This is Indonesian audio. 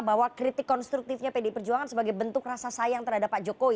bahwa kritik konstruktifnya pdi perjuangan sebagai bentuk rasa sayang terhadap pak jokowi